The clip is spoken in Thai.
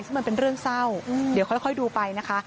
ซึ่งมันเป็นเรื่องเศร้าเดี๋ยวค่อยดูไปนะคะ